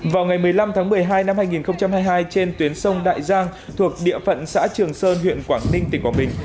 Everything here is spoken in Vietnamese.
vào ngày một mươi năm tháng một mươi hai năm hai nghìn hai mươi hai trên tuyến sông đại giang thuộc địa phận xã trường sơn huyện quảng ninh tỉnh quảng bình